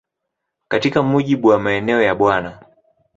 Katika mujibu wa maneno ya Bw.